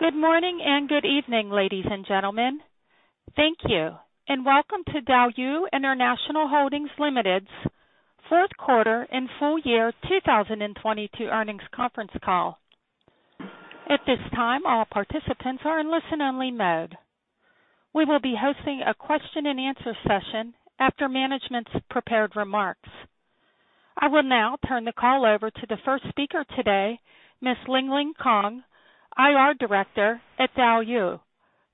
Good morning and good evening, ladies and gentlemen. Thank you, and welcome to DouYu International Holdings Limited's Fourth Quarter and Full Year 2022 Earnings Conference Call. At this time, all participants are in listen-only mode. We will be hosting a question-and-answer session after management's prepared remarks. I will now turn the call over to the first speaker today, Miss Lingling Kong, IR Director at DouYu.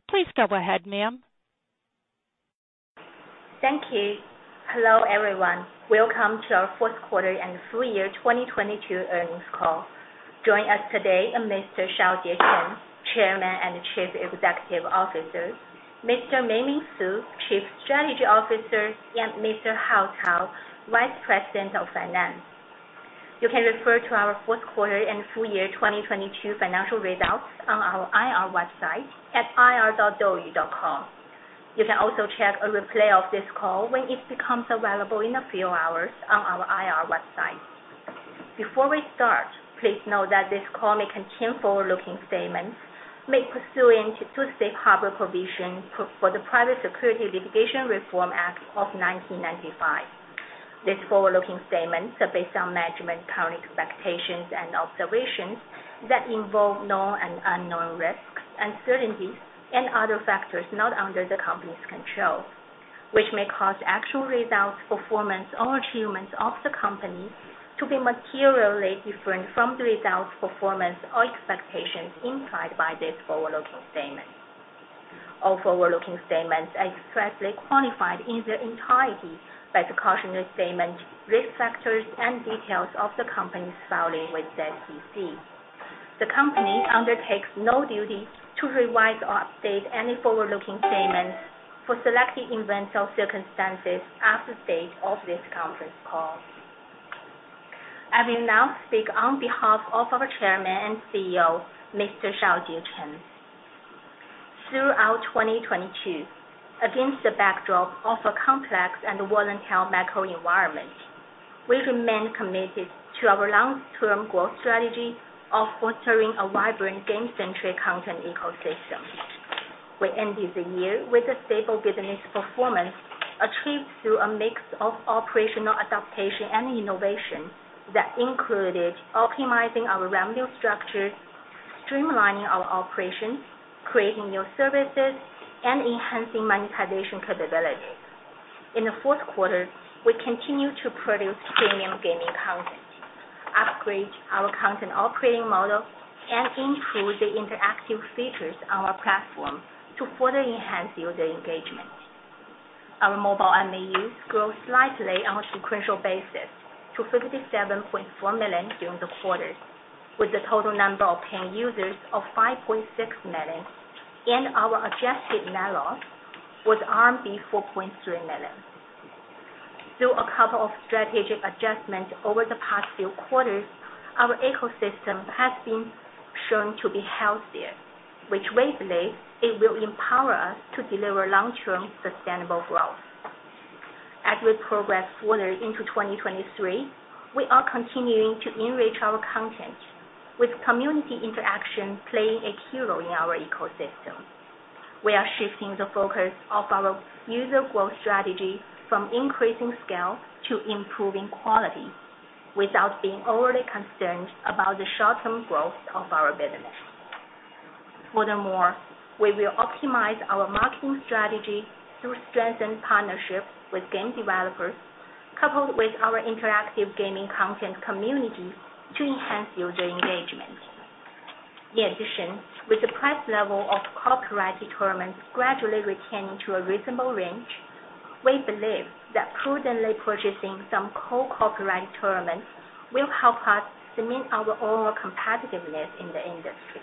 Please go ahead, ma'am. Thank you. Hello, everyone. Welcome to our fourth quarter and full year 2022 earnings call. Joining us today are Mr. Shaojie Chen, Chairman and Chief Executive Officer, Mr. Mingming Su, Chief Strategy Officer, and Mr. Hao Cao, Vice President of Finance. You can refer to our fourth quarter and full year 2022 financial results on our IR website at ir.douyu.com. You can also check a replay of this call when it becomes available in a few hours on our IR website. Before we start, please note that this call may contain forward-looking statements made pursuant to Safe Harbor provisions for the Private Securities Litigation Reform Act of 1995. These forward-looking statements are based on management's current expectations and observations that involve known and unknown risks, uncertainties and other factors not under the company's control, which may cause actual results, performance or achievements of the company to be materially different from the results, performance or expectations implied by these forward-looking statements. All forward-looking statements are expressly qualified in their entirety by the cautionary statement, risk factors and details of the company's filing with the SEC. The company undertakes no duty to revise or update any forward-looking statements for selected events or circumstances as the stage of this conference call. I will now speak on behalf of our Chairman and CEO, Mr. Shaojie Chen. Throughout 2022, against the backdrop of a complex and volatile macro environment, we remained committed to our long-term growth strategy of fostering a vibrant game-centric content ecosystem. We ended the year with a stable business performance achieved through a mix of operational adaptation and innovation that included optimizing our revenue structure, streamlining our operations, creating new services, and enhancing monetization capabilities. In the fourth quarter, we continued to produce premium gaming content, upgrade our content operating model, and improve the interactive features on our platform to further enhance user engagement. Our mobile MAUs grew slightly on a sequential basis to 57.4 million during the quarter, with the total number of paying users of 5.6 million, and our adjusted MAUs was RMB 4.3 million. Through a couple of strategic adjustments over the past few quarters, our ecosystem has been shown to be healthier, which we believe it will empower us to deliver long-term sustainable growth. As we progress further into 2023, we are continuing to enrich our content with community interaction playing a hero in our ecosystem. We are shifting the focus of our user growth strategy from increasing scale to improving quality without being overly concerned about the short-term growth of our business. Furthermore, we will optimize our marketing strategy through strengthened partnerships with game developers, coupled with our interactive gaming content community to enhance user engagement. In addition, with the price level of copyright tournaments gradually returning to a reasonable range, we believe that prudently purchasing some co-copyright tournaments will help us cement our overall competitiveness in the industry.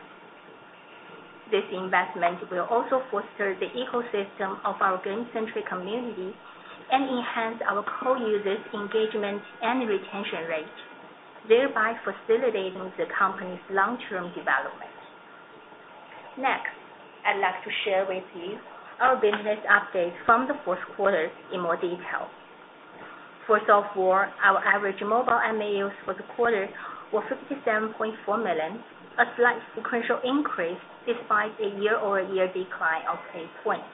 This investment will also foster the ecosystem of our game-centric community and enhance our core users' engagement and retention rate, thereby facilitating the company's long-term development. Next, I'd like to share with you our business updates from the fourth quarter in more detail. First off, for our average mobile MAUs for the quarter were 57.4 million, a slight sequential increase despite a year-over-year decline of 8 point.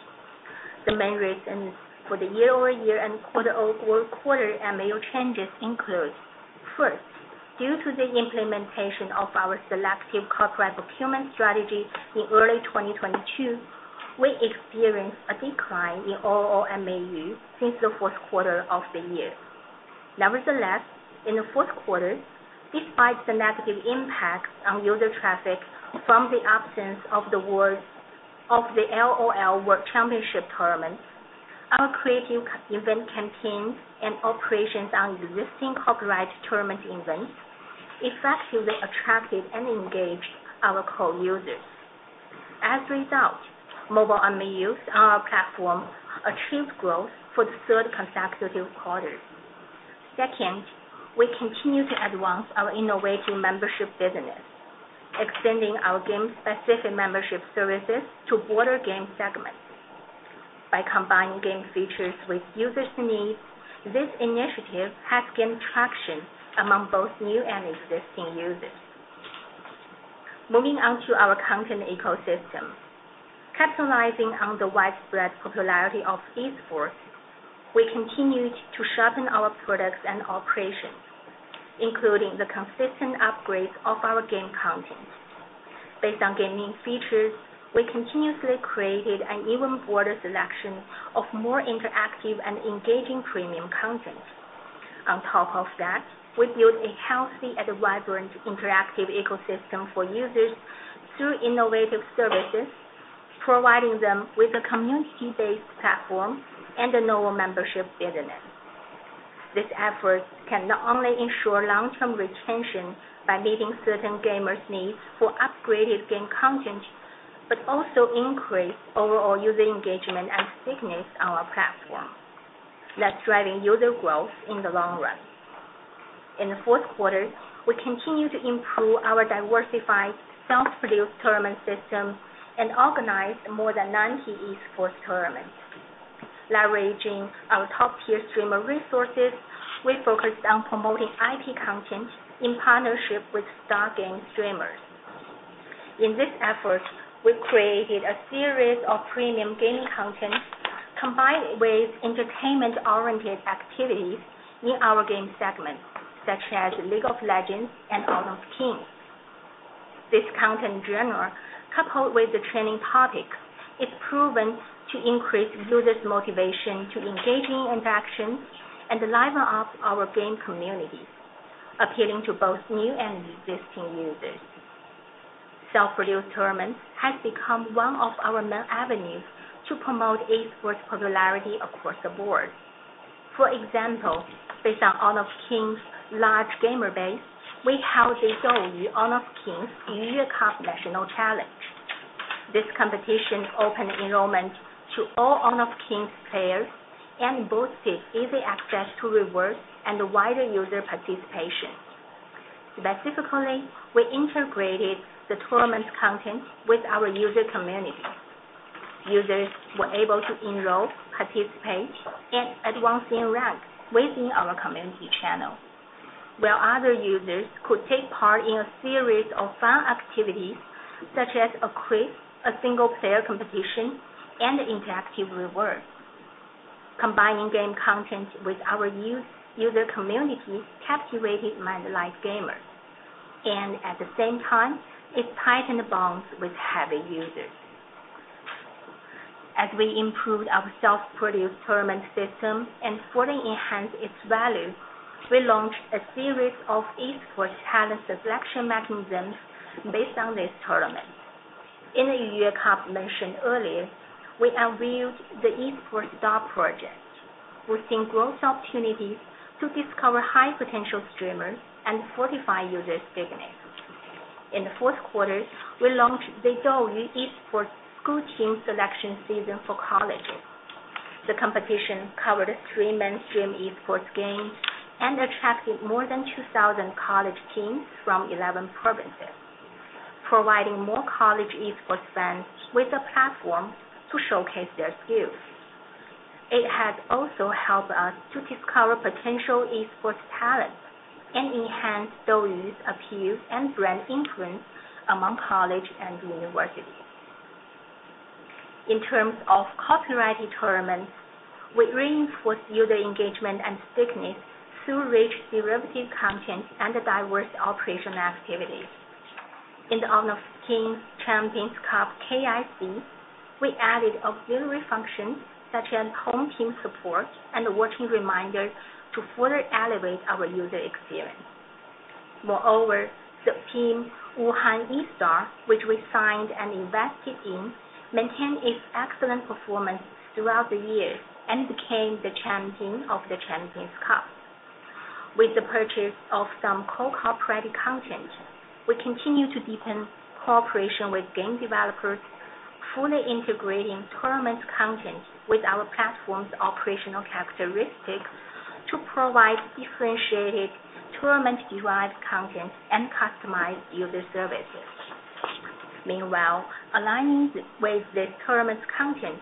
The main reasons for the year-over-year and quarter-over-quarter MAU changes include, first, due to the implementation of our selective copyright procurement strategy in early 2022, we experienced a decline in all MAU since the fourth quarter of the year. Nevertheless, in the fourth quarter, despite the negative impact on user traffic from the absence of the LOL World Championship tournaments, our creative event campaigns and operations on existing copyright tournament events effectively attracted and engaged our core users. As a result, mobile MAUs on our platform achieved growth for the third consecutive quarter. Second, we continue to advance our innovative membership business, extending our game-specific membership services to broader game segments. By combining game features with users' needs, this initiative has gained traction among both new and existing users. Moving on to our content ecosystem. Capitalizing on the widespread popularity of esports, we continued to sharpen our products and operations, including the consistent upgrades of our game content. Based on gaming features, we continuously created an even broader selection of more interactive and engaging premium content. On top of that, we built a healthy and vibrant interactive ecosystem for users through innovative services, providing them with a community-based platform and a novel membership business. This effort can not only ensure long-term retention by meeting certain gamers' needs for upgraded game content, but also increase overall user engagement and thickness on our platform. That's driving user growth in the long run. In the fourth quarter, we continued to improve our diversified self-produced tournament system and organized more than 90 esports tournaments. Leveraging our top-tier streamer resources, we focused on promoting IP content in partnership with star game streamers. In this effort, we created a series of premium gaming content combined with entertainment-oriented activities in our game segment, such as League of Legends and Honor of Kings. This content genre, coupled with the trending topic, is proven to increase users' motivation to engage in interaction and liven up our game communities, appealing to both new and existing users. Self-produced tournaments has become one of our main avenues to promote esports popularity across the board. For example, based on Honor of Kings' large gamer base, we held the DouYu Honor of Kings YuLe Cup National Challenge. This competition opened enrollment to all Honor of Kings players, boosted easy access to rewards and wider user participation. Specifically, we integrated the tournament content with our user community. Users were able to enroll, participate, and advance in rank within our community channel, where other users could take part in a series of fun activities such as a quiz, a single-player competition, and interactive rewards. Combining game content with our user community captivated many live gamers, at the same time, it tightened the bonds with heavy users. As we improved our self-produced tournament system and fully enhanced its value, we launched a series of esports talent selection mechanisms based on this tournament. In the YuLe Cup mentioned earlier, we unveiled the Esports Star project. We're seeing growth opportunities to discover high-potential streamers and fortify users' thickness. In the fourth quarter, we launched the DouYu Esports School Team selection season for colleges. The competition covered three mainstream esports games and attracted more than 2,000 college teams from 11 provinces, providing more college esports fans with a platform to showcase their skills. It has also helped us to discover potential esports talents and enhance DouYu's appeal and brand influence among college and universities. In terms of copyrighted tournaments, we reinforced user engagement and thickness through rich derivative content and diverse operational activities. In the Honor of Kings Champions Cup KIC, we added auxiliary functions such as home team support and watching reminders to further elevate our user experience. Moreover, the team Wuhan eStar, which we signed and invested in, maintained its excellent performance throughout the year and became the champion of the Champions Cup. With the purchase of some co-copyrighted content, we continue to deepen cooperation with game developers, fully integrating tournament content with our platform's operational characteristics to provide differentiated tournament-derived content and customized user services. Meanwhile, aligning with the tournament content,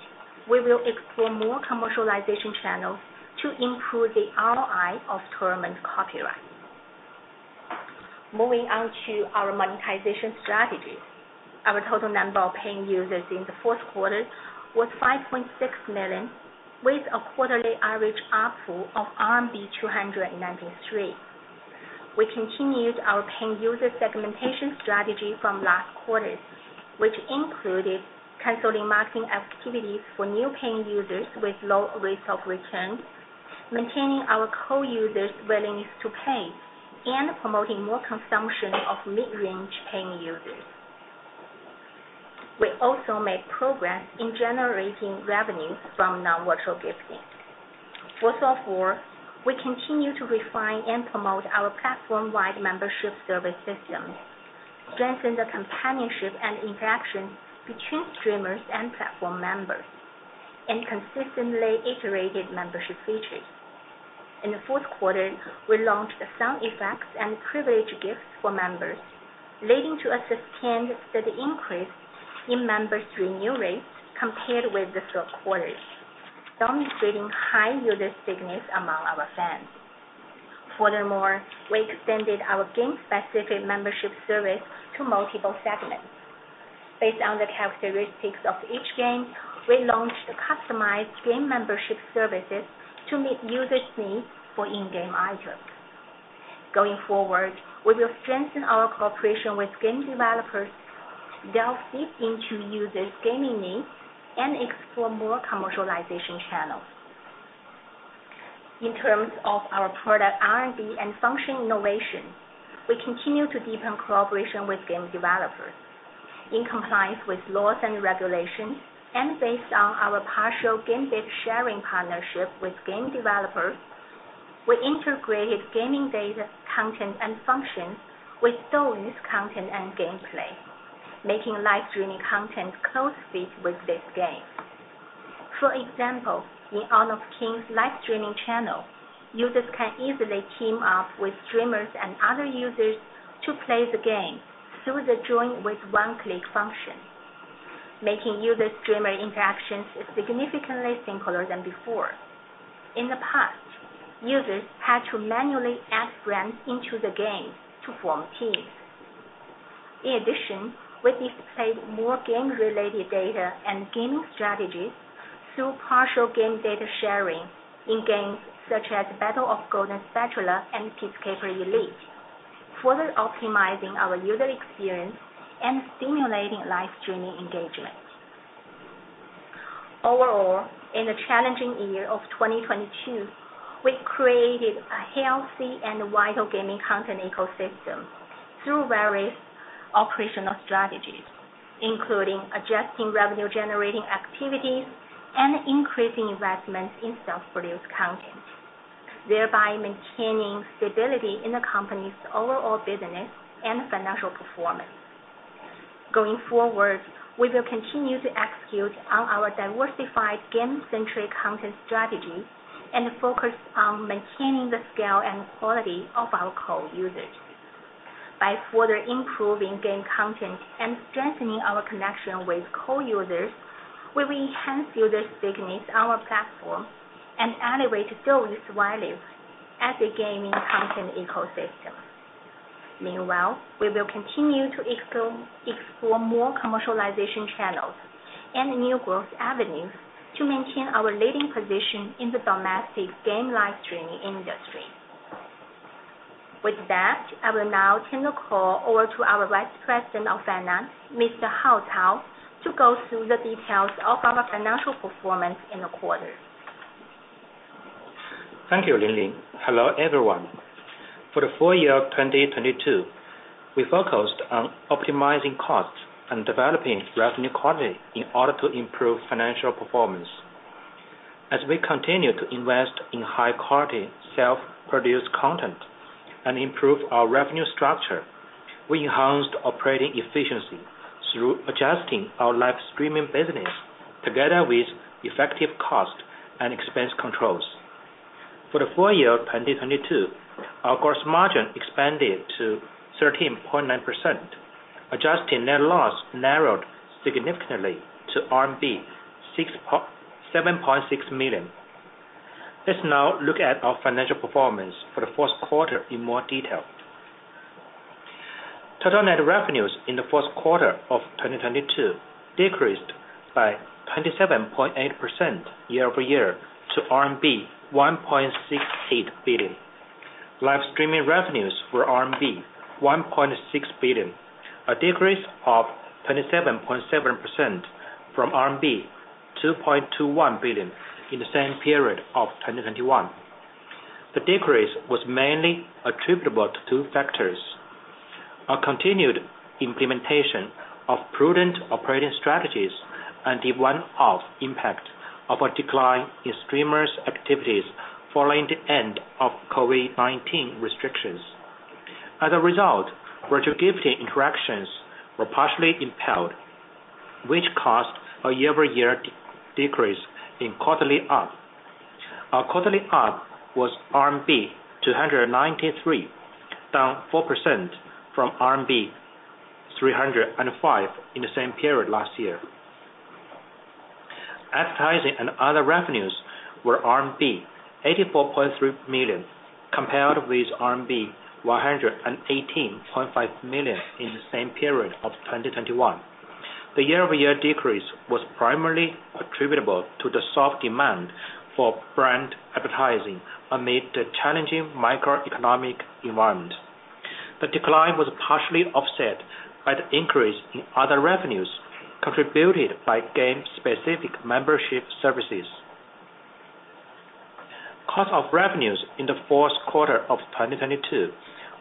we will explore more commercialization channels to improve the ROI of tournament copyright. Moving on to our monetization strategy. Our total number of paying users in the fourth quarter was 5.6 million, with a quarterly average ARPU of RMB 293. We continued our paying user segmentation strategy from last quarter, which included canceling marketing activities for new paying users with low rates of return, maintaining our core users' willingness to pay, and promoting more consumption of mid-range paying users. We also made progress in generating revenue from non-virtual gifting. First of all, we continue to refine and promote our platform-wide membership service system, strengthen the companionship and interaction between streamers and platform members, and consistently iterated membership features. In the fourth quarter, we launched the sound effects and privilege gifts for members, leading to a sustained steady increase in members' renewal rates compared with the third quarter, demonstrating high user stickiness among our fans. Furthermore, we extended our game-specific membership service to multiple segments. Based on the characteristics of each game, we launched customized game membership services to meet users' needs for in-game items. Going forward, we will strengthen our cooperation with game developers, delve deep into users' gaming needs, and explore more commercialization channels. In terms of our product R&D and function innovation, we continue to deepen cooperation with game developers. In compliance with laws and regulations, and based on our partial game data sharing partnership with game developers, we integrated gaming data content and functions with DouYu's content and gameplay, making live streaming content closely with this game. For example, in Honor of Kings live streaming channel, users can easily team up with streamers and other users to play the game through the join with one-click function, making user-streamer interactions significantly simpler than before. In the past, users had to manually add friends into the game to form teams. In addition, we displayed more game-related data and gaming strategies through partial game data sharing in games such as Battle of Golden Spatula and Peacekeeper Elite, further optimizing our user experience and stimulating live streaming engagement. Overall, in the challenging year of 2022, we created a healthy and vital gaming content ecosystem through various operational strategies, including adjusting revenue-generating activities and increasing investments in self-produced content, thereby maintaining stability in the company's overall business and financial performance. Going forward, we will continue to execute on our diversified game-centric content strategy and focus on maintaining the scale and quality of our core users. By further improving game content and strengthening our connection with core users, we will enhance user stickiness on our platform and elevate DouYu's value as a gaming content ecosystem. Meanwhile, we will continue to explore more commercialization channels and new growth avenues to maintain our leading position in the domestic game live streaming industry. With that, I will now turn the call over to our Vice President of Finance, Mr. Hao Cao, to go through the details of our financial performance in the quarter. Thank you, Ling-Ling. Hello, everyone. For the full year of 2022, we focused on optimizing costs and developing revenue quality in order to improve financial performance. As we continue to invest in high-quality self-produced content and improve our revenue structure, we enhanced operating efficiency through adjusting our live streaming business together with effective cost and expense controls. For the full year of 2022, our gross margin expanded to 13.9%. Adjusted net loss narrowed significantly to RMB 7.6 million. Let's now look at our financial performance for the fourth quarter in more detail. Total net revenues in the fourth quarter of 2022 decreased by 27.8% year-over-year to RMB 1.68 billion. Live streaming revenues were RMB 1.6 billion, a decrease of 27.7% from RMB 2.21 billion in the same period of 2021. The decrease was mainly attributable to two factors: Our continued implementation of prudent operating strategies and the one-off impact of a decline in streamers' activities following the end of COVID-19 restrictions. As a result, virtual gifting interactions were partially impaired, which caused a year-over-year decrease in quarterly ARPU. Our quarterly ARPU was RMB 293, down 4% from RMB 305 in the same period last year. Advertising and other revenues were RMB 84.3 million, compared with RMB 118.5 million in the same period of 2021. The year-over-year decrease was primarily attributable to the soft demand for brand advertising amid the challenging macroeconomic environment. The decline was partially offset by the increase in other revenues contributed by game-specific membership services. Cost of revenues in the fourth quarter of 2022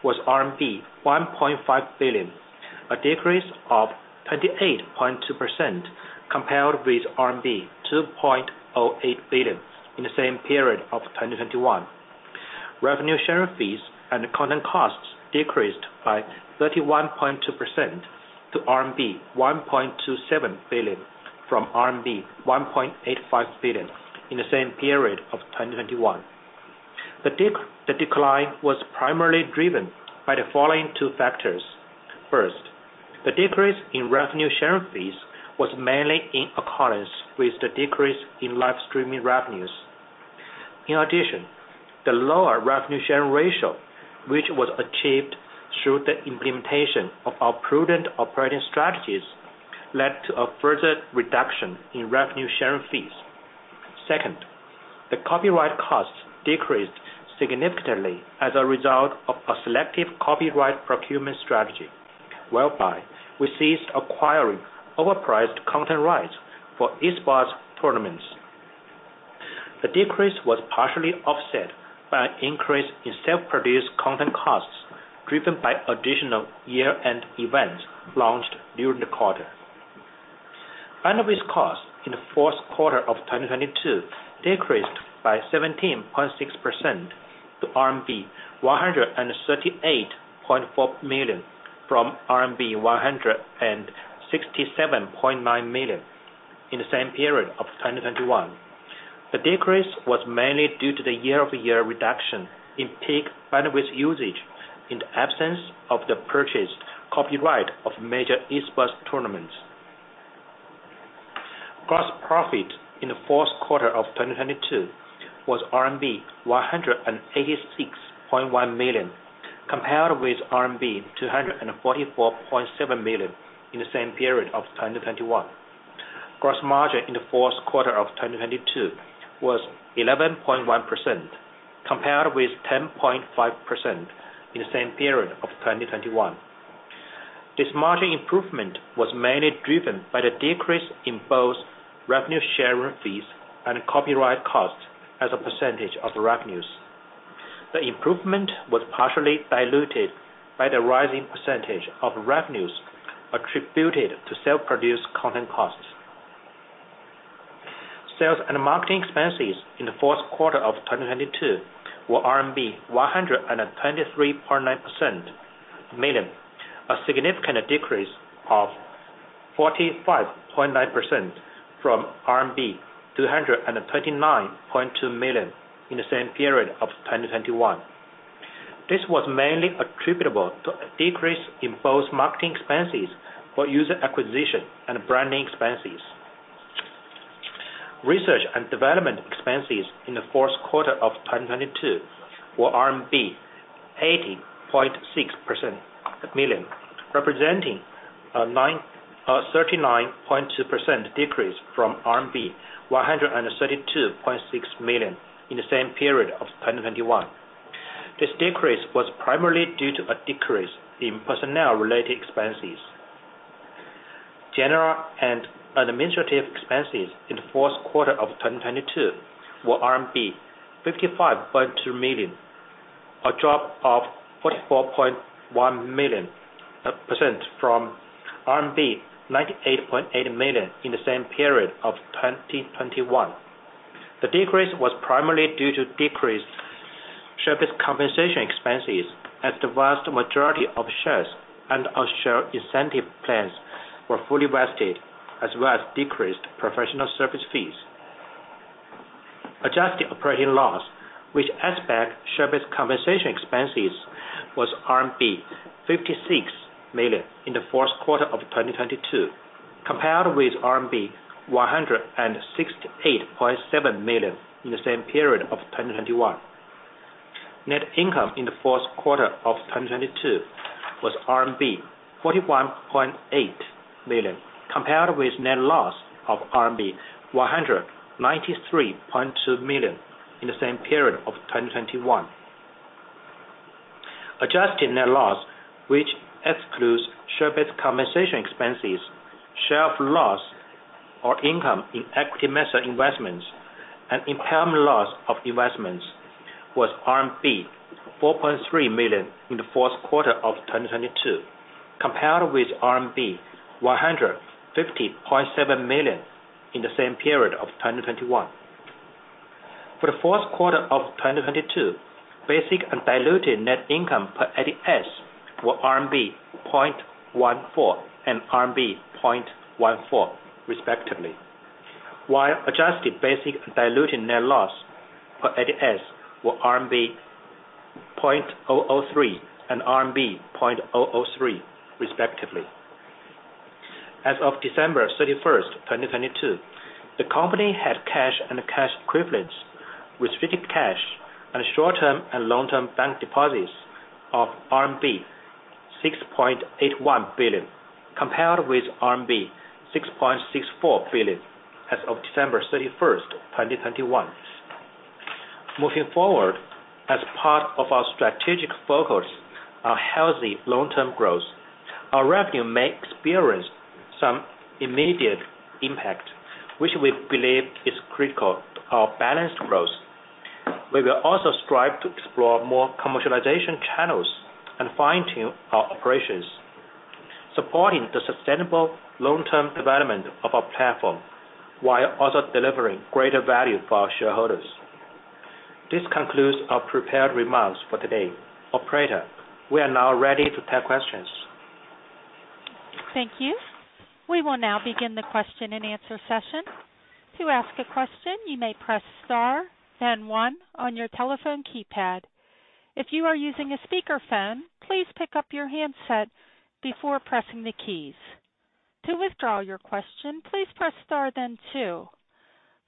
was RMB 1.5 billion, a decrease of 28.2% compared with RMB 2.08 billion in the same period of 2021. Revenue sharing fees and content costs decreased by 31.2% to RMB 1.27 billion from RMB 1.85 billion in the same period of 2021. The decline was primarily driven by the following two factors. First, the decrease in revenue sharing fees was mainly in accordance with the decrease in live streaming revenues. The lower revenue sharing ratio, which was achieved through the implementation of our prudent operating strategies, led to a further reduction in revenue sharing fees. Second, the copyright costs decreased significantly as a result of a selective copyright procurement strategy, whereby we ceased acquiring overpriced content rights for esports tournaments. The decrease was partially offset by an increase in self-produced content costs, driven by additional year-end events launched during the quarter. Bandwidth costs in the fourth quarter of 2022 decreased by 17.6% to RMB 138.4 million from RMB 167.9 million in the same period of 2021. The decrease was mainly due to the year-over-year reduction in peak bandwidth usage in the absence of the purchased copyright of major esports tournaments. Gross profit in the fourth quarter of 2022 was RMB 186.1 million, compared with RMB 244.7 million in the same period of 2021. Gross margin in the fourth quarter of 2022 was 11.1% compared with 10.5% in the same period of 2021. This margin improvement was mainly driven by the decrease in both revenue sharing fees and copyright costs as a percentage of revenues. The improvement was partially diluted by the rising percentage of revenues attributed to self-produced content costs. Sales and marketing expenses in the fourth quarter of 2022 were RMB 123.9 million, a significant decrease of 45.9% from 239.2 million RMB in the same period of 2021. This was mainly attributable to a decrease in both marketing expenses for user acquisition and branding expenses. Research and development expenses in the fourth quarter of 2022 were 80.6 million, representing a 39.2% decrease from RMB 132.6 million in the same period of 2021. This decrease was primarily due to a decrease in personnel-related expenses. General and administrative expenses in the fourth quarter of 2022 were RMB 55.2 million, a drop of 44.1% from RMB 98.8 million in the same period of 2021. The decrease was primarily due to decreased share-based compensation expenses as the vast majority of shares and our share incentive plans were fully vested, as well as decreased professional service fees. Adjusted operating loss, which adds back share-based compensation expenses, was RMB 56 million in the fourth quarter of 2022, compared with RMB 168.7 million in the same period of 2021. Net income in the fourth quarter of 2022 was RMB 41.8 million, compared with net loss of RMB 193.2 million in the same period of 2021. Adjusted net loss, which excludes share-based compensation expenses, share of loss or income in equity method investments and impairment loss of investments, was RMB 4.3 million in the fourth quarter of 2022, compared with RMB 150.7 million in the same period of 2021. For the fourth quarter of 2022, basic and diluted net income per ADS were RMB 0.14 and RMB 0.14 respectively. While adjusted basic and diluted net loss per ADS were RMB 0.003 and RMB 0.003 respectively. As of December 31st, 2022, the company had cash and cash equivalents, restricted cash, and short-term and long-term bank deposits of RMB 6.81 billion, compared with RMB 6.64 billion as of December 31st, 2021. Moving forward, as part of our strategic focus on healthy long-term growth, our revenue may experience some immediate impact, which we believe is critical to our balanced growth. We will also strive to explore more commercialization channels and fine-tune our operations. Supporting the sustainable long-term development of our platform, while also delivering greater value for our shareholders. This concludes our prepared remarks for today. Operator, we are now ready to take questions. Thank you. We will now begin the question and answer session. To ask a question, you may press star and one on your telephone keypad. If you are using a speakerphone, please pick up your handset before pressing the keys. To withdraw your question, please press star then two.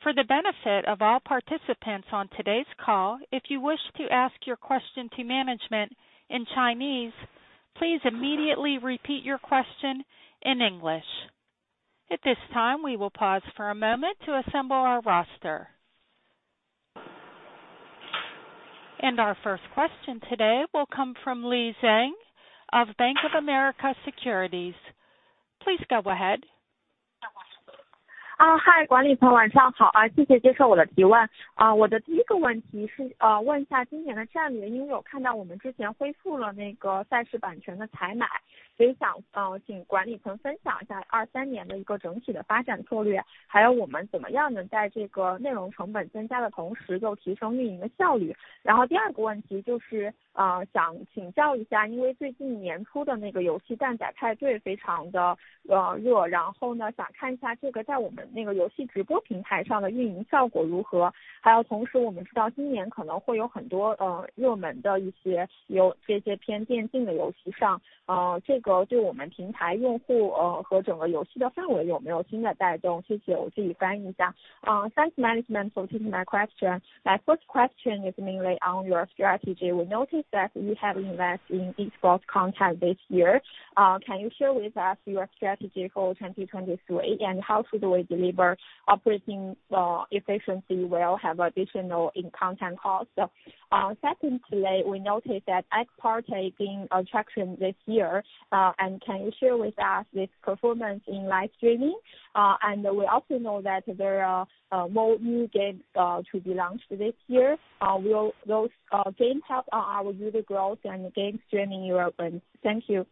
For the benefit of all participants on today's call, if you wish to ask your question to management in Chinese, please immediately repeat your question in English. At this time, we will pause for a moment to assemble our roster. Our first question today will come from Lei Zhang of Bank of America Securities. Please go ahead. Hi. Thanks management for taking my question. My first question is mainly on your strategy. We noticed that you have invest in esports content this year. Can you share with us your strategy for 2023, and how could we deliver operating efficiency will have additional in content costs? Secondly, we noted that as partaking attraction this year, and can you share with us this performance in live streaming? And we also know that there are more new games to be launched this year. Will those game help our user growth and game streaming? Thank you.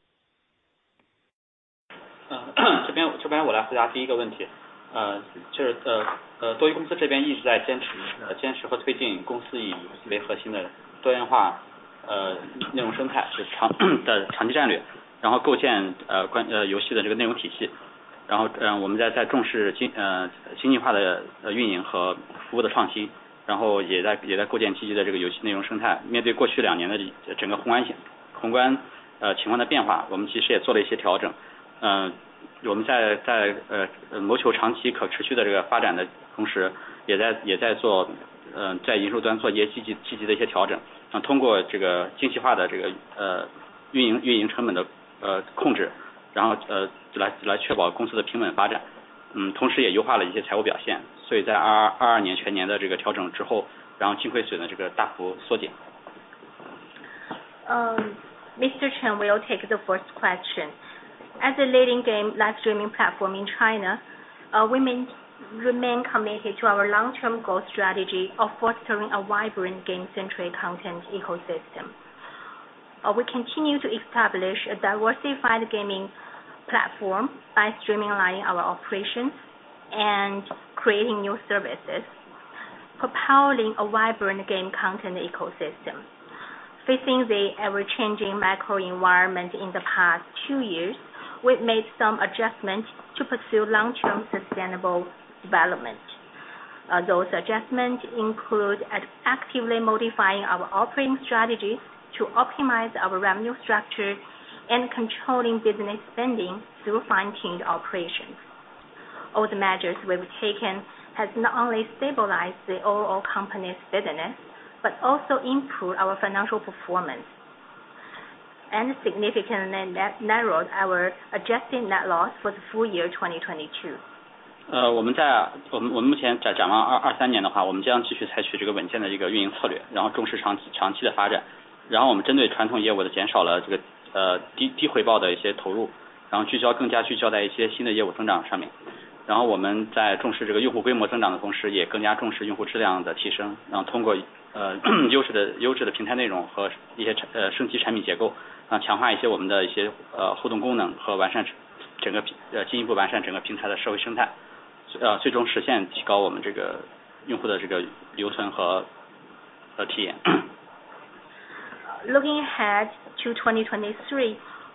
Looking ahead to 2023,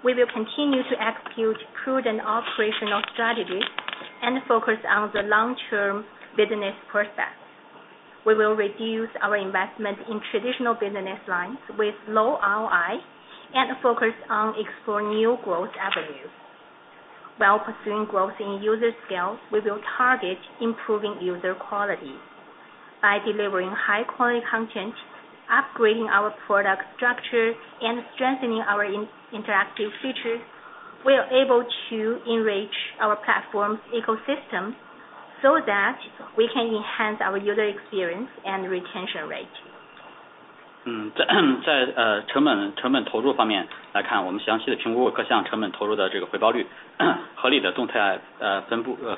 we will continue to execute prudent operational strategies and focus on the long-term business prospects. We will reduce our investment in traditional business lines with low ROI and focus on exploring new growth avenues. While pursuing growth in user scale, we will target improving user quality. By delivering high-quality content, upgrading our product structure, and strengthening our inter-interactive features, we are able to enrich our platform's ecosystem so that we can enhance our user experience and retention rate. 分 配， 呃，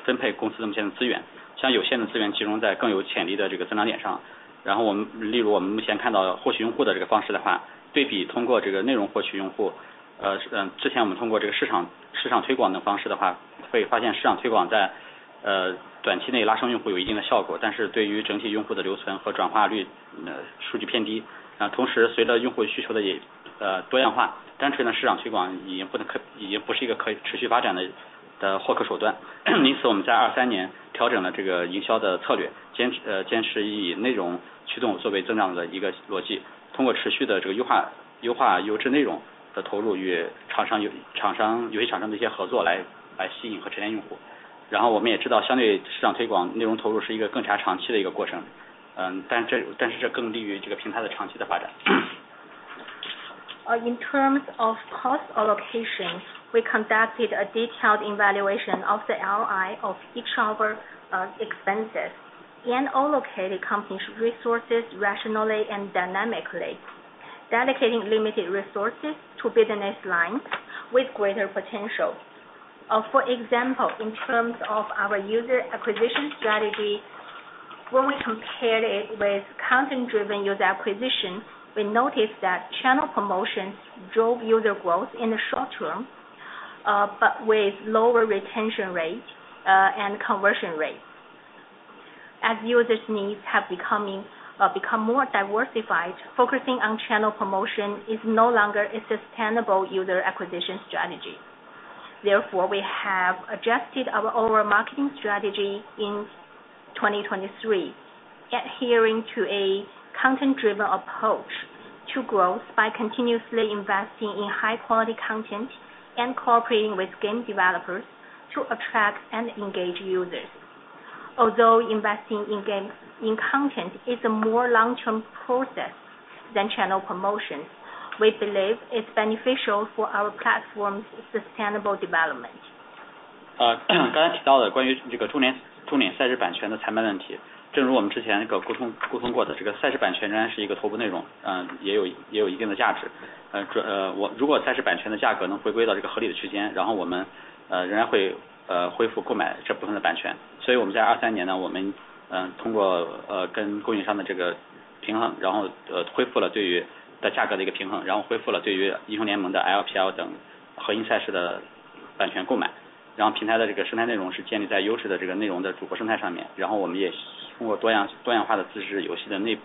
分配公司目前的资 源， 将有限的资源集中在更有潜力的这个增长点上。然后我 们， 例如我们目前看到的获取用户的这个方式的 话， 对比通过这个内容获取用 户， 呃， 是， 嗯， 之前我们通过这个市 场， 市场推广的方式的 话， 会发现市场推广 在， 呃， 短期内拉升用户有一定的效 果， 但是对于整体用户的留存和转化 率， 呃， 数据偏低。呃， 同时随着用户需求 的， 也， 呃， 多样 化， 单纯的市场推广已经不 能， 已经不是一个可以持续发展 的， 的获客手段。因此我们在二三年调整了这个营销的策 略， 坚 持， 呃， 坚持以内容驱动作为增长的一个逻 辑， 通过持续的这个优 化， 优化优质内容的投入与厂 商， 与厂 商， 游戏厂商的一些合作 来， 来吸引和沉淀用户。然后我们也知 道， 相对市场推 广， 内容投入是一个更加长期的一个过 程， 嗯， 但 这， 但是这更利于这个平台的长期的发展。In terms of cost allocation, we conducted a detailed evaluation of the ROI of each of our expenses and allocated company resources rationally and dynamically, dedicating limited resources to business lines with greater potential. For example, in terms of our user acquisition strategy, when we compared it with content-driven user acquisition, we noticed that channel promotions drove user growth in the short term, but with lower retention rate, and conversion rate. As users needs have become more diversified, focusing on channel promotion is no longer a sustainable user acquisition strategy. Therefore, we have adjusted our overall marketing strategy in 2023, adhering to a content-driven approach to growth by continuously investing in high-quality content and cooperating with game developers to attract and engage users. Although investing in game in content is a more long-term process than channel promotions, we believe it's beneficial for our platform's sustainable development. 刚才提到的关于这个周年赛事版权的拍卖问 题， 正如我们之前一个沟通过的这个赛事版权仍然是一个头部内 容， 也有一定的价 值. 如果赛事版权的价格能回归到这个合理的区 间， 我们仍然会恢复购买这部分的版 权. 我们在2023年 呢， 我们通过跟供应商的这个平 衡， 恢复了对于在价格的一个平 衡， 恢复了对于 League of Legends 的 LPL 等核心赛事的版权购 买. 平台的这个生态内容是建立在质的这个内容的主播生态上 面， 我们也通过多样化的自制游戏的内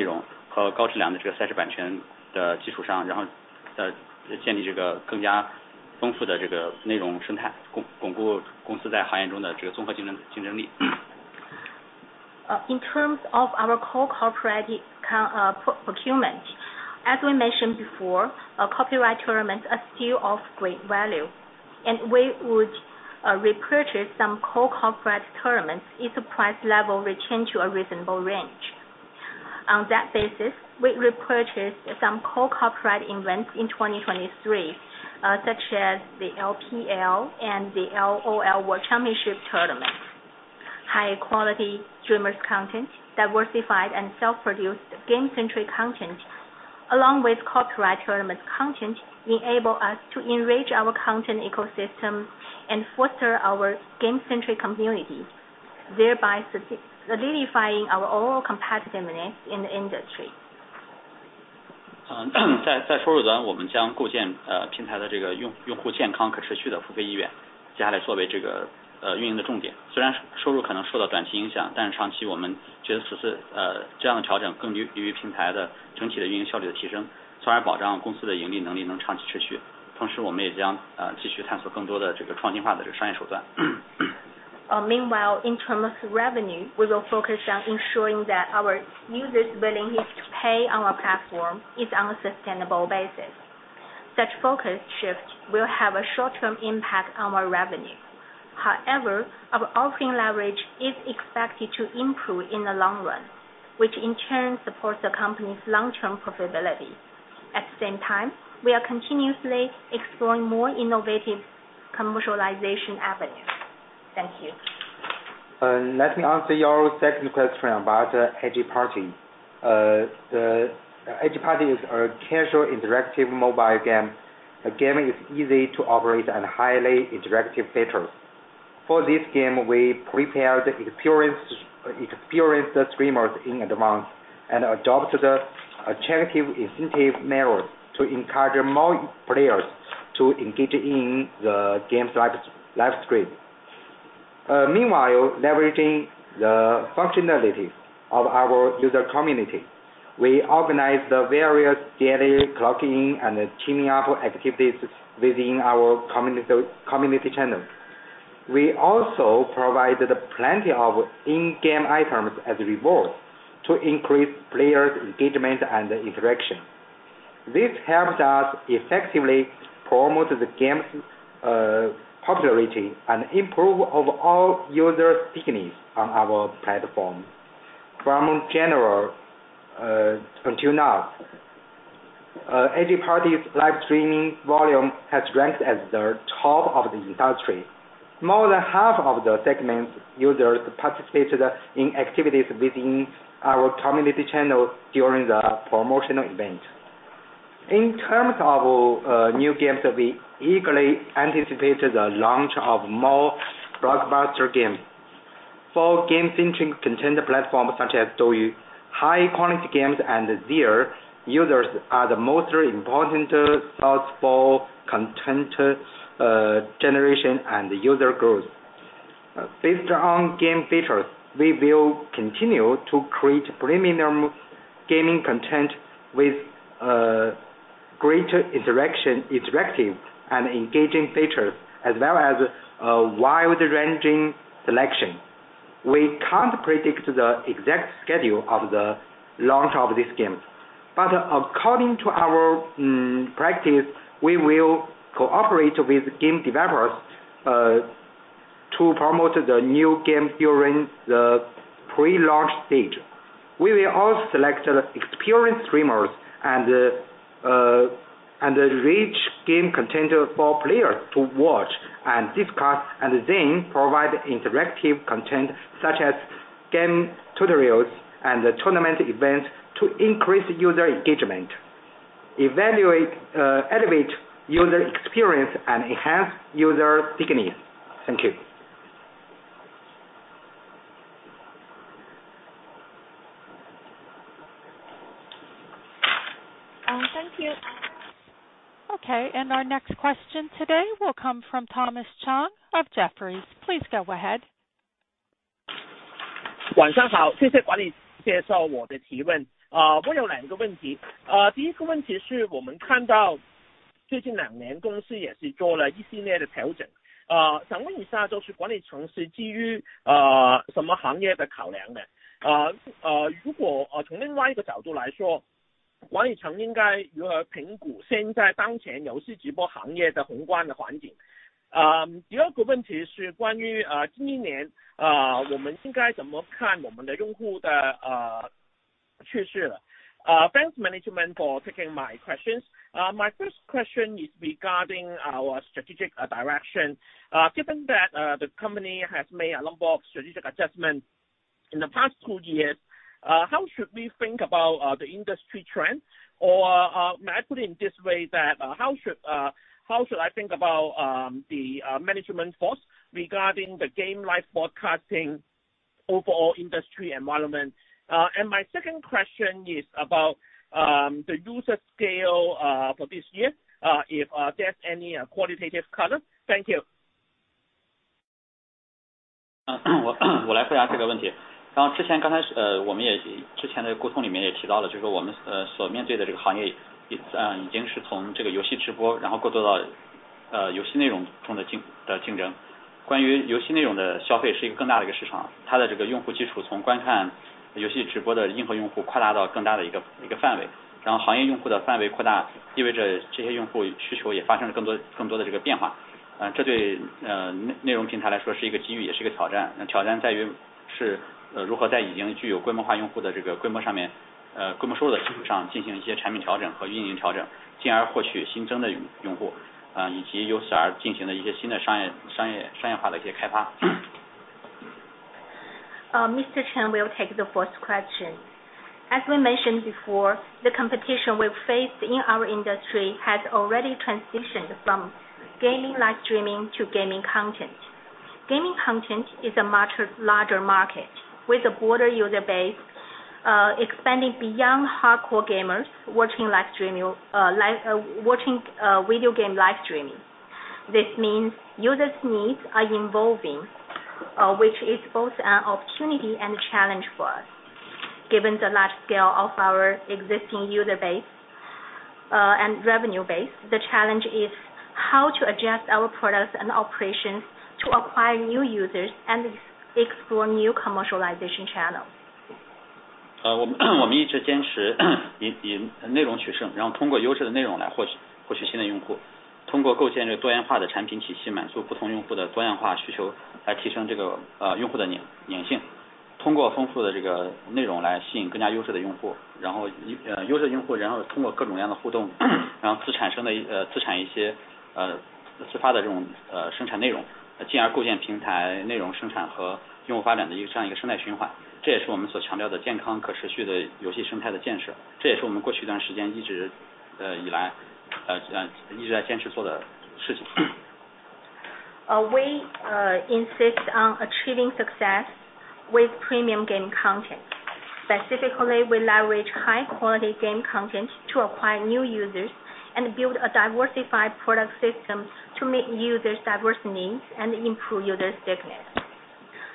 容和高质量的这个赛事版权的基础 上， 建立这个更加丰富的这个内容生 态， 巩固公司在行业中的这个综合竞争 力. In terms of our copyright procurement, as we mentioned before, a copyright tournament are still of great value, we would repurchase some copyright tournaments if the price level return to a reasonable range. On that basis, we repurchased some copyright events in 2023, such as the LPL and the LOL World Championship Tournament. High quality streamers content, diversified and self-produced game-centric content, along with copyright tournament content enable us to enrich our content ecosystem and foster our game-centric community, thereby solidifying our overall competitiveness in the industry. 在收入 端，我们 将构建平台的用户健康可持续的付费 意愿，接下来 作为运营的重点。虽然收入可能受到短期 影响，但是 长期我们觉得此次这样的调整更利于平台的整体的运营效率的 提升，从而 保障公司的盈利能力能长期持续。同时我们也将继续探索更多创新化商业手段。Meanwhile, in terms of revenue, we will focus on ensuring that our users' willingness to pay on our platform is on a sustainable basis. Such focus shift will have a short-term impact on our revenue. However, our offering leverage is expected to improve in the long run, which in turn supports the company's long-term profitability. At the same time, we are continuously exploring more innovative commercialization avenues. Thank you. Let me answer your second question about Eggy Party. The Eggy Party is a casual interactive mobile game. The game is easy to operate and highly interactive features. For this game, we prepared experienced streamers in advance and adopted the attractive incentive measures to encourage more players to engage in the game's live stream. Meanwhile, leveraging the functionality of our user community, we organized the various daily clock-in and teaming up activities within our community channel. We also provided plenty of in-game items as rewards to increase players engagement and interaction. This helped us effectively promote the game's popularity and improve overall user stickiness on our platform. From general until now, Eggy Party's live streaming volume has ranked at the top of the industry. More than half of the segment users participated in activities within our community channel during the promotional event. In terms of new games that we eagerly anticipated the launch of more blockbuster games. For game-centric contender platforms such as DouYu, high quality games and their users are the most important source for content generation and user growth. Based on game features, we will continue to create premium gaming content with greater interaction, interactive and engaging features, as well as a wide-ranging selection. We can't predict the exact schedule of the launch of this game, but according to our practice, we will cooperate with game developers to promote the new game during the pre-launch stage. We will also select experienced streamers and reach game content for players to watch and discuss, and then provide interactive content such as game tutorials and tournament events to increase user engagement, evaluate, elevate user experience, and enhance user stickiness. Thank you. Thank you. Okay. Our next question today will come from Thomas Chong of Jefferies. Please go ahead. Thanks management for taking my questions. My first question is regarding our strategic direction. Given that the company has made a number of strategic adjustments in the past two years, how should we think about the industry trend? May I put it in this way that how should I think about the management force regarding the game live broadcasting overall industry environment? My second question is about the user scale for this year, if there's any qualitative color. Thank you. Mr. Chong, we'll take the first question. As we mentioned before, the competition we face in our industry has already transitioned from gaming live streaming to gaming content. Gaming content is a much larger market with a broader user base, expanding beyond hardcore gamers watching live streaming, live, watching, video game live streaming. This means users' needs are evolving, which is both an opportunity and challenge for us. Given the large scale of our existing user base, and revenue base, the challenge is how to adjust our products and operations to acquire new users and explore new commercialization channels. We insist on achieving success with premium game content. Specifically, we leverage high-quality game content to acquire new users and build a diversified product system to meet users' diverse needs and improve user stickiness.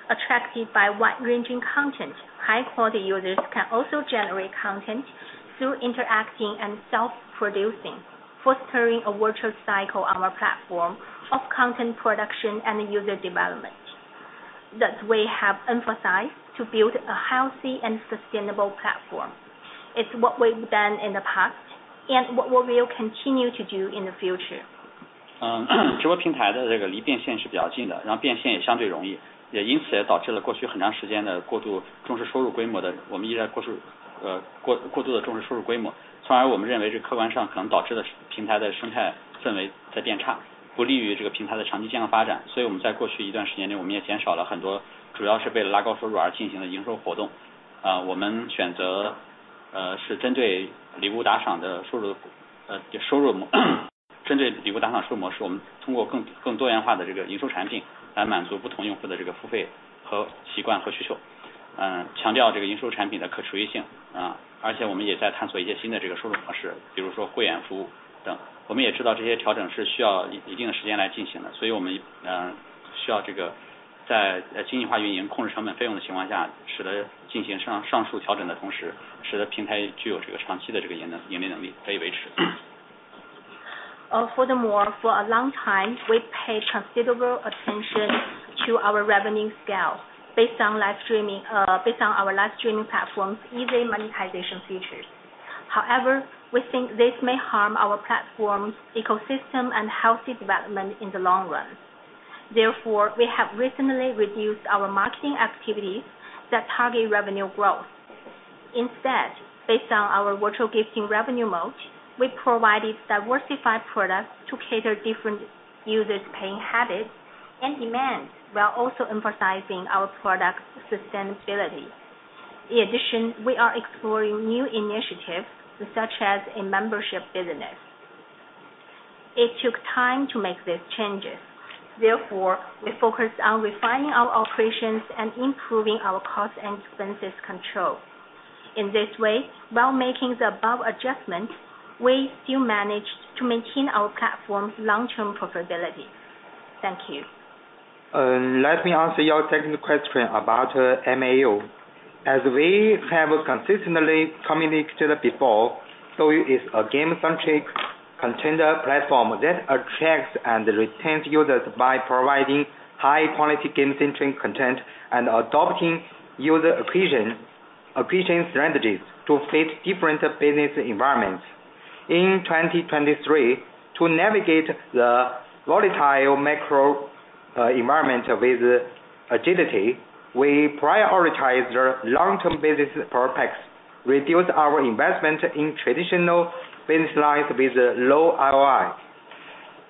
Attracted by wide-ranging content, high-quality users can also generate content through interacting and self-producing, fostering a virtual cycle on our platform of content production and user development. That we have emphasized to build a healthy and sustainable platform. It's what we've done in the past and what we will continue to do in the future. We choose is 针对礼物打赏的收 入， 针对礼物打赏收入模式，我们通过更多元化的这个营收产品来满足不同用户的这个付费和习惯和需求。强调这个营收产品的可持续 性， 而且我们也在探索一些新的这个收入方 式， 比如说会员服务等。我们也知道这些调整是需要一定的时间来进行 的， 所以我们需要这个在经济化运营、控制成本费用的情况 下， 使得进行上述调整的同 时， 使得平台具有这个长期的这个营 能， 盈利能力可以维持。Furthermore, for a long time, we paid considerable attention to our revenue scale based on live streaming, based on our live streaming platform's easy monetization features. We think this may harm our platform's ecosystem and healthy development in the long run. We have recently reduced our marketing activities that target revenue growth. Based on our virtual gifting revenue mode, we provided diversified products to cater different users paying habits and demands while also emphasizing our product sustainability. We are exploring new initiatives such as a membership business. It took time to make these changes. We focused on refining our operations and improving our cost and expenses control. While making the above adjustments, we still managed to maintain our platform's long-term profitability. Thank you. Let me answer your technical question about MAU. As we have consistently communicated before, DouYu is a game-centric content platform that attracts and retains users by providing high-quality game-centric content and adopting user acquisition strategies to fit different business environments. In 2023, to navigate the volatile macro environment with agility, we prioritize the long-term business prospects, reduce our investment in traditional business lines with low ROI.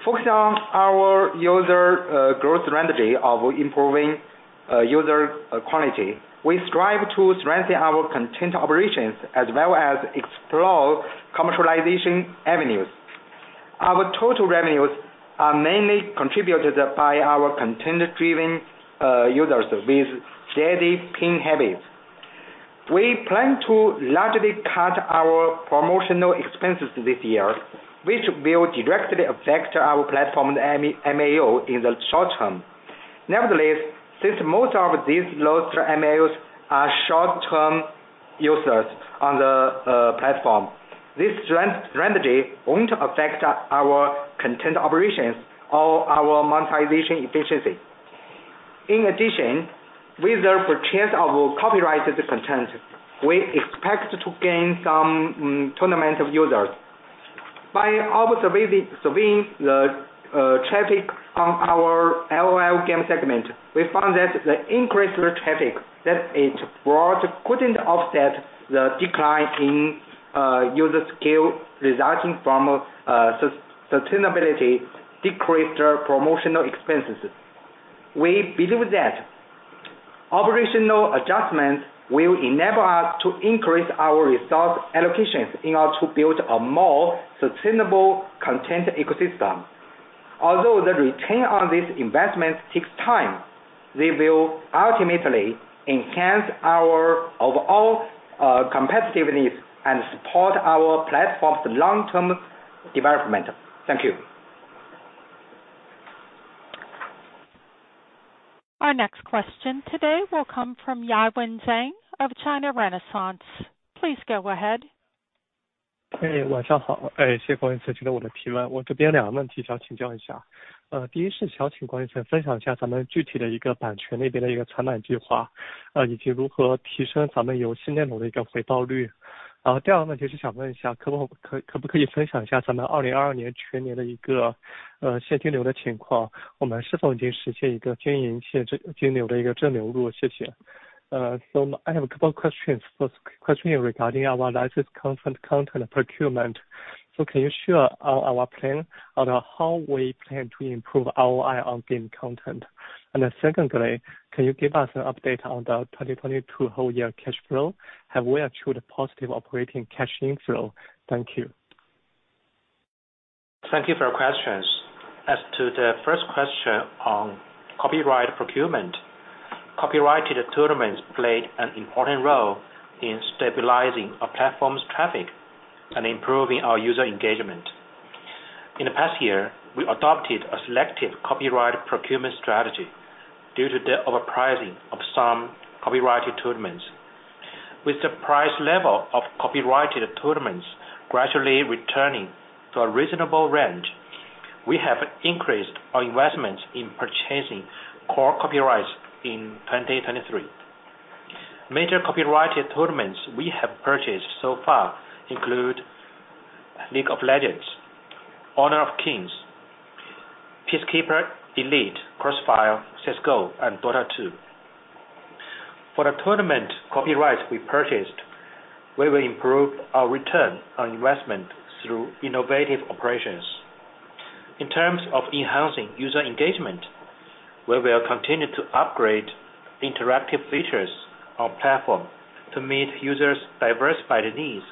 Focused on our user growth strategy of improving user quality. We strive to strengthen our content operations as well as explore commercialization avenues. Our total revenues are mainly contributed by our content-driven users with steady paying habits. We plan to largely cut our promotional expenses this year, which will directly affect our platform MAU in the short term. Since most of these lost MAUs are short-term users on the platform, this strategy won't affect our content operations or our monetization efficiency. With the purchase of copyrighted content, we expect to gain some tournament of users. Observing the traffic on our LOL game segment, we found that the increased traffic that it brought couldn't offset the decline in user scale resulting from sustainability decreased promotional expenses. We believe that operational adjustments will enable us to increase our resource allocations in order to build a more sustainable content ecosystem. The return on this investment takes time, they will ultimately enhance our overall competitiveness and support our platform's long-term development. Thank you. Our next question today will come from Yiwen Zhang of China Renaissance. Please go ahead. Hey, 晚上好。谢谢郭先生接受我的提问。我这边两个问题想请教一下。第一是想请郭先生分享一下咱们具体的一个版权那边的一个采买计 划， 以及如何提升咱们游戏业务的一个回报率。然后第二个问题是想问一 下， 可不可以分享一下咱们2022年全年的一个现金流的情 况， 我们是否已经实现一个经营性现金流的一个正流入。谢谢。I have a couple of questions. First question regarding our licensed content procurement. Can you share our plan on how we plan to improve ROI on game content? Secondly, can you give us an update on the 2022 whole year cash flow? Have we achieved a positive operating cash inflow? Thank you. Thank you for your questions. As to the first question on copyright procurement, copyrighted tournaments played an important role in stabilizing our platform's traffic and improving our user engagement. In the past year, we adopted a selective copyright procurement strategy due to the overpricing of some copyrighted tournaments. With the price level of copyrighted tournaments gradually returning to a reasonable range, we have increased our investments in purchasing core copyrights in 2023. Major copyrighted tournaments we have purchased so far include League of Legends, Honor of Kings, Peacekeeper Elite, Crossfire, CS:GO, and Dota 2. For the tournament copyrights we purchased, we will improve our return on investment through innovative operations In terms of enhancing user engagement, we will continue to upgrade interactive features on platform to meet users diversified needs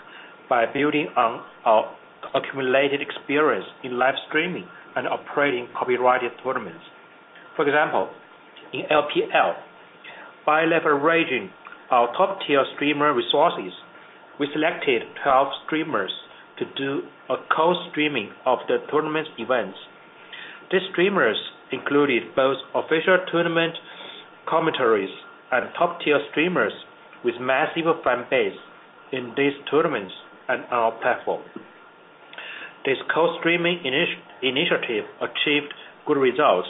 by building on our accumulated experience in live streaming and operating copyrighted tournaments. For example, in LPL, by leveraging our top-tier streamer resources, we selected 12 streamers to do a co-streaming of the tournament events. These streamers included both official tournament commentaries and top-tier streamers with massive fan base in these tournaments and our platform. This co-streaming initiative achieved good results.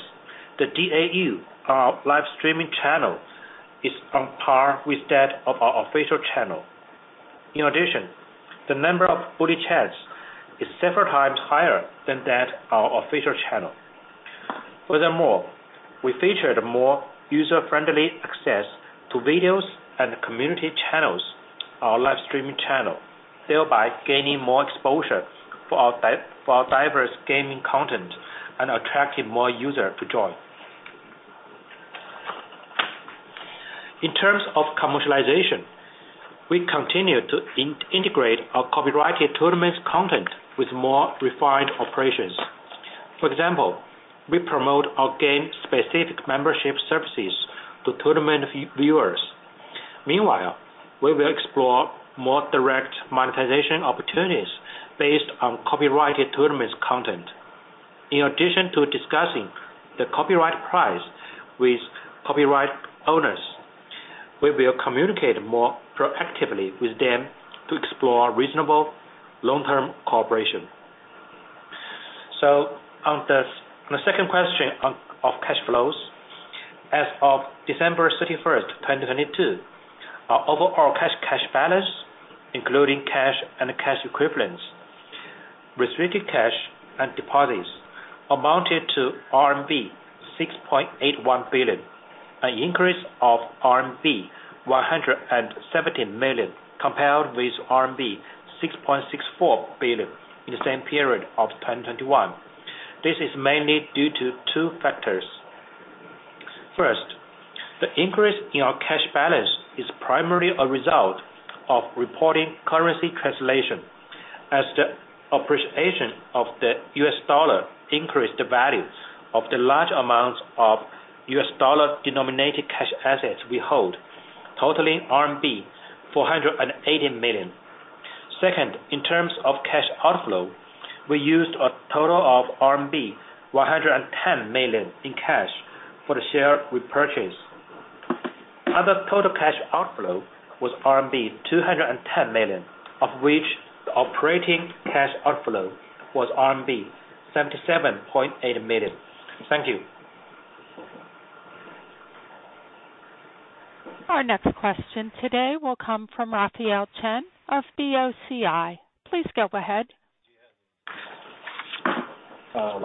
The DAU, our live streaming channel, is on par with that of our official channel. In addition, the number of buddy chats is several times higher than that our official channel. Furthermore, we featured more user-friendly access to videos and community channels, our live streaming channel, thereby gaining more exposure for our for our diverse gaming content and attracting more user to join. In terms of commercialization, we continue to integrate our copyrighted tournaments content with more refined operations. For example, we promote our game-specific membership services to tournament viewers. Meanwhile, we will explore more direct monetization opportunities based on copyrighted tournaments content. In addition to discussing the copyright price with copyright owners, we will communicate more proactively with them to explore reasonable long-term cooperation. On the second question of cash flows, as of December 31st, 2022, our overall cash balance, including cash and cash equivalents, restricted cash and deposits amounted to RMB 6.81 billion, an increase of RMB 170 million compared with RMB 6.64 billion in the same period of 2021. This is mainly due to two factors. First, the increase in our cash balance is primarily a result of reporting currency translation as the appreciation of the U.S. dollar increased the value of the large amounts of U.S. dollar-denominated cash assets we hold, totaling RMB 480 million. Second, in terms of cash outflow, we used a total of RMB 110 million in cash for the share repurchase. Other total cash outflow was RMB 210 million, of which the operating cash outflow was RMB 77.8 million. Thank you. Our next question today will come from Raphael Chen of BOCI. Please go ahead. Thanks for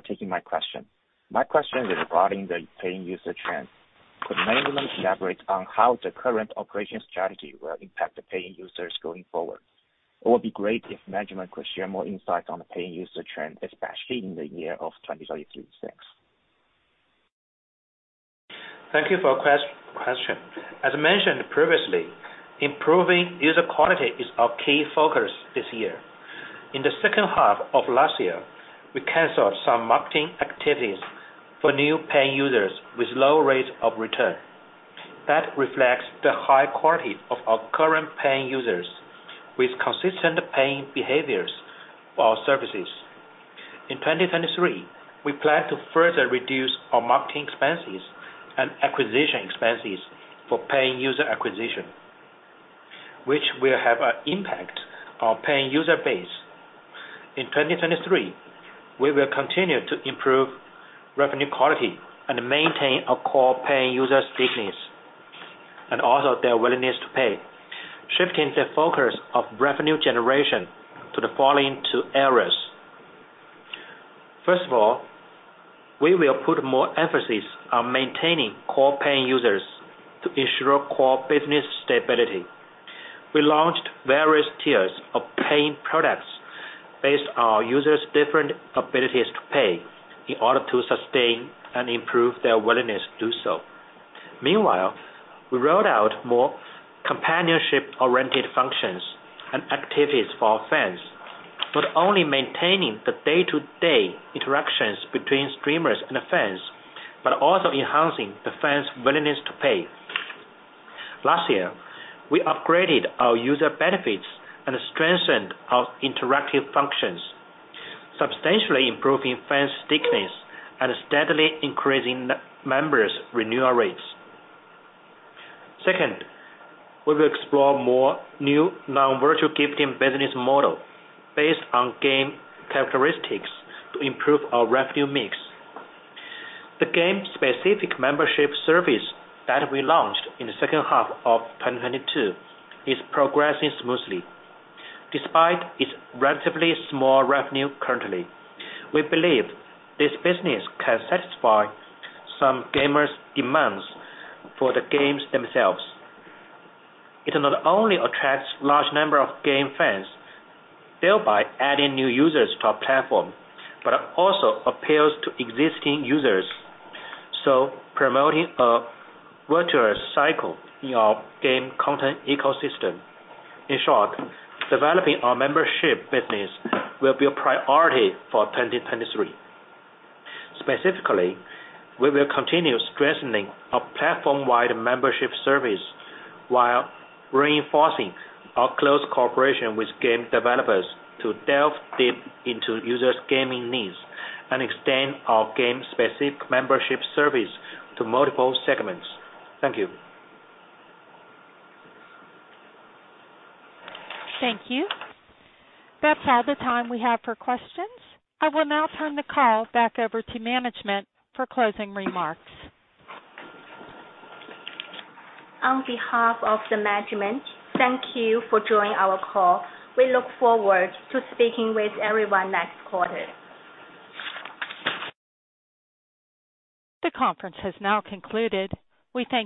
taking my question. My question is regarding the paying user trend. Could management elaborate on how the current operation strategy will impact the paying users going forward? It would be great if management could share more insight on the paying user trend, especially in the year of 2023. Thank you for your question. As mentioned previously, improving user quality is our key focus this year. In the second half of last year, we canceled some marketing activities for new paying users with low rates of return. That reflects the high quality of our current paying users with consistent paying behaviors for our services. In 2023, we plan to further reduce our marketing expenses and acquisition expenses for paying user acquisition, which will have an impact on paying user base. In 2023, we will continue to improve revenue quality and maintain our core paying user stickiness, and also their willingness to pay, shifting the focus of revenue generation to the following two areas. First of all, we will put more emphasis on maintaining core paying users to ensure core business stability. We launched various tiers of paying products based on users' different abilities to pay in order to sustain and improve their willingness to do so. Meanwhile, we rolled out more companionship-oriented functions and activities for our fans, not only maintaining the day-to-day interactions between streamers and the fans, but also enhancing the fans' willingness to pay. Last year, we upgraded our user benefits and strengthened our interactive functions, substantially improving fans' stickiness and steadily increasing n-members' renewal rates. Second, we will explore more new non-virtual gifting business model based on game characteristics to improve our revenue mix. The game-specific membership service that we launched in the second half of 2022 is progressing smoothly. Despite its relatively small revenue currently, we believe this business can satisfy some gamers' demands for the games themselves. It not only attracts large number of game fans, thereby adding new users to our platform, but also appeals to existing users, so promoting a virtuous cycle in our game content ecosystem. In short, developing our membership business will be a priority for 2023. Specifically, we will continue strengthening our platform-wide membership service while reinforcing our close cooperation with game developers to delve deep into users' gaming needs and extend our game-specific membership service to multiple segments. Thank you. Thank you. That's all the time we have for questions. I will now turn the call back over to management for closing remarks. On behalf of the management, thank you for joining our call. We look forward to speaking with everyone next quarter. The conference has now concluded. We thank you.